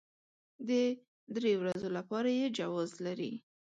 د درې ورځو لپاره يې جواز لري.